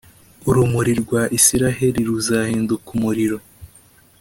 Urumuri rwa Israheli ruzahinduka umuriro,